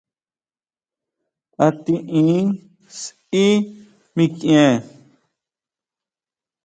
¿A tiʼin sʼí mikʼien?